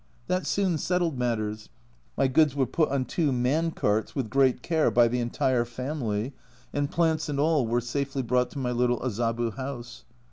That soon settled matters ; my goods were put on two man carts with great care by the entire family, and plants and all were safely brought to my little Azabu house.